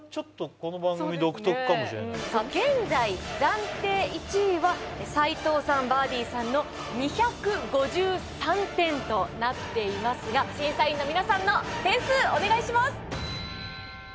これは。現在暫定１位は才藤さんＢｉｒｄｉｅさんの２５３点となっていますが審査員の皆さんの点数お願いします。